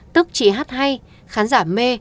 tức chỉ hát hay khán giả mê